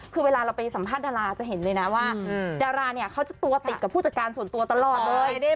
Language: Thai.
คือเวลาเราไปสัมภาษณ์ดาราจะเห็นเลยนะว่าดาราเนี่ยเขาจะตัวติดกับผู้จัดการส่วนตัวตลอดเลย